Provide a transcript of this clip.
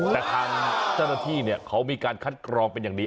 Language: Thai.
แต่ทางเจ้าหน้าที่เขามีการคัดกรองเป็นอย่างดี